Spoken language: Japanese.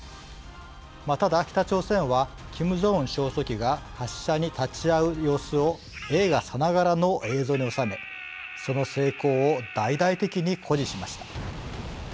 ただ北朝鮮はキム・ジョンウン総書記が発射に立ち会う様子を映画さながらの映像に収めその成功を大々的に誇示しました。